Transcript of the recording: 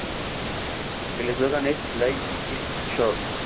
Su eslogan es ""Life is short.